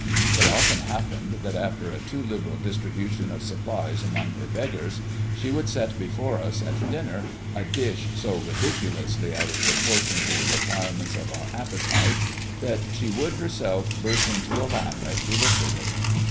It often happened that after a too liberal distribution of supplies among her beggars, she would set before us at dinner a dish so ridiculously out of proportion to the requirements of our appetites that she would herself burst into a laugh as she looked at it.